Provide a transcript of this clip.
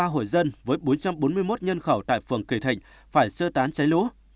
một trăm năm mươi ba hội dân với bốn trăm bốn mươi một nhân khẩu tại phường kỳ thịnh phải sơ tán cháy lũ